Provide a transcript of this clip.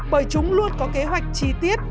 bởi chúng luôn có kế hoạch chi tiết